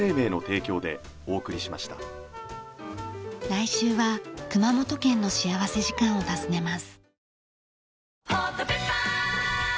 来週は熊本県の幸福時間を訪ねます。